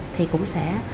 thì cũng sẽ